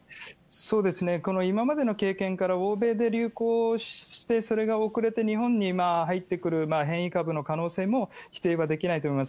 この今までの経験から、欧米で流行して、それが遅れて日本に入ってくる変異株の可能性も否定はできないと思います。